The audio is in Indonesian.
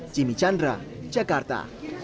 jimmy chandra jakarta